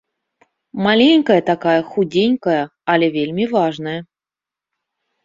Маленькая такая, худзенькая, але вельмі важная.